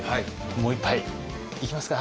もう一杯いきますか？